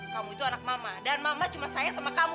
kamu itu anak mama dan mama cuma saya sama kamu